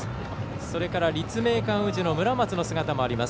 それから立命館宇治の村松の姿もあります。